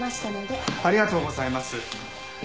ありがとうございます。